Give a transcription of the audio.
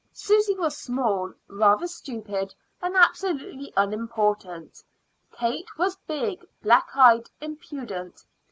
Susy was small, rather stupid, and absolutely unimportant. Kate was big, black eyed, impudent.